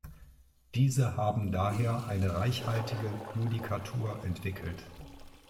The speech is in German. Diese haben daher eine reichhaltige Judikatur entwickelt.